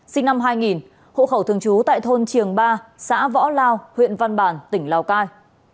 sinh năm hai nghìn hộ khẩu thương chú tại thôn triềng ba xã võ lao huyện văn bản tỉnh lào cai